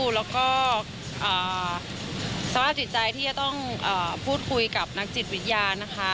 แล้วก็สภาพจิตใจที่จะต้องพูดคุยกับนักจิตวิทยานะคะ